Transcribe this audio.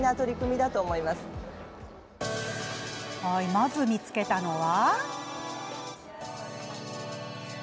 まず見つけたのは。